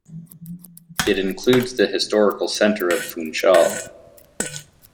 It includes the historical centre of Funchal.